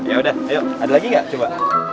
ya udah ada lagi nggak coba